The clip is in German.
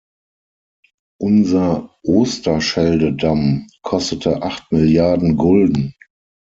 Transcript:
Unser Oosterschelde-Damm kostete acht Milliarden Gulden.